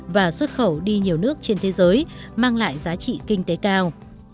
và xuất khẩu đi nhiều nước trên thế giới mang lại giá trị kinh tế cao